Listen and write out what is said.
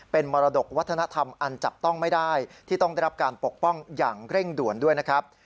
เป็นมรดกวัฒนธรรมอันจับต้องไม่ได้ที่ต้องได้รับการปกป้องอย่างเร่งด่วนด้วยนะครับ